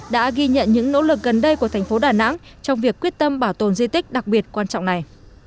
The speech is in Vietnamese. đã ghi nhận những nỗ lực gần đây của thành phố đà nẵng trong việc quyết tâm bảo tồn di tích đặc biệt quan trọng này